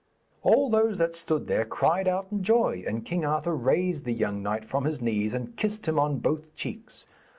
All those that stood there cried out in joy, and King Arthur raised the young knight from his knees and kissed him on both cheeks.